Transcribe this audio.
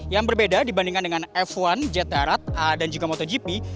yang berbeda dibandingkan dengan f satu jet darat a dan juga motogp